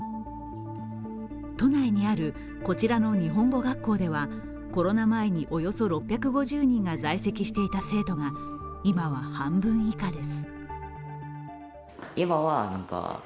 都内にあるこちらの日本語学校では、コロナ前におよそ６５０人が在籍していた生徒が今は半分以下です。